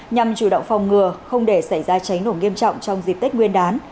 nhằm chủ động phòng ngừa không để xảy ra cháy nổ nghiêm trọng trong dịp tết nguyên đán